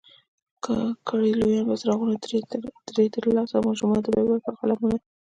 کړي لویان به څراغونه ترې ترلاسه، ماشومانو ته به ورکړي قلمونه